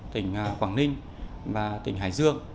tỉnh quảng ninh và tỉnh hải dương